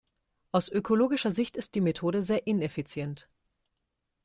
Aus ökologischer Sicht ist die Methode sehr ineffizient.